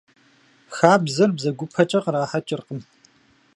Хабзэр бзэгупэкӀэ кърахьэкӀыркъым.